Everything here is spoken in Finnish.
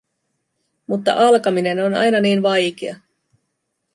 Mutta alkaminen on aina niin vaikea.